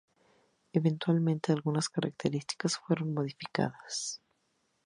Eventualmente, algunas características fueron modificadas.